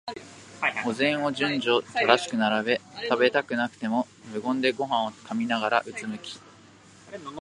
お膳を順序正しく並べ、食べたくなくても無言でごはんを噛みながら、うつむき、